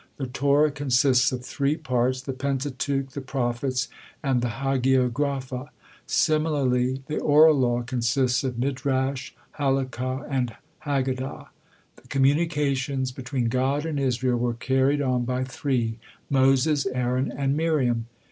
The Torah consists of three parts, the Pentateuch, the Prophets, and the Hagiographa; similarly the oral law consists of Midrash, Halakah, and Haggadah. The communications between God and Israel were carried on by three, Moses, Aaron, and Miriam.